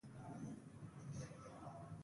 Alberghetti was a child prodigy.